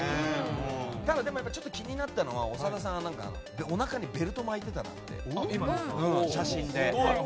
ただ、ちょっと気になったのは長田さんがおなかにベルト巻いてたのね、写真で。